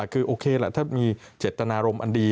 คือโอเคล่ะถ้ามีเจตนารมณ์อันดี